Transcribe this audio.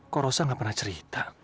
kok rosa nggak pernah cerita